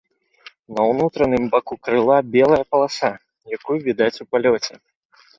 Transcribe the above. На ўнутраным баку крыла белая паласа, якую відаць у палёце.